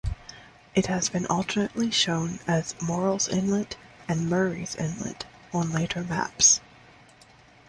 It has been alternately shown as "Morrall's Inlet" and "Murrays Inlet" on later maps.